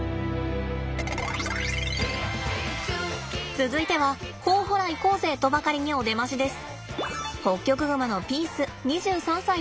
続いてはほほら行こうぜとばかりにお出ましです。